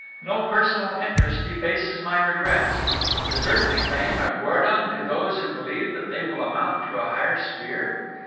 No personal interest debases my regrets. Is earthly fame a guerdon to those who believe that they will mount to a higher sphere?